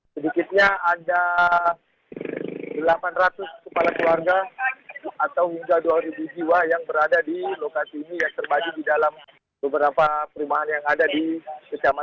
sedikitnya ada delapan ratus kepala keluarga atau hingga dua ribu jiwa yang berada di lokasi ini yang terbagi di dalam beberapa perumahan yang ada di kecamatan